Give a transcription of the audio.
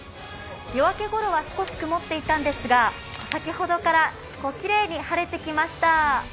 夜明けごろは少し曇っていたんですが、先ほどからきれいに晴れてきました。